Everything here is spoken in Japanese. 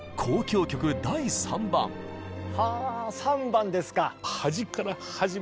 はあ「３番」ですか。